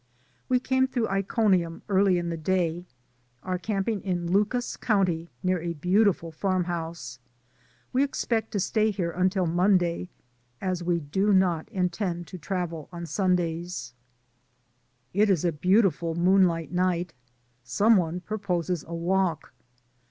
We came through Iconium early in the day, are camping in Lucas County, near a beautiful farmhouse. We expect to stay here until Monday, as we do not intend to travel on Sundays. It is a beautiful moonlight night, some one proposes a walk.